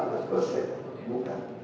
ini adalah diskresi praktis bagi hasil tiga puluh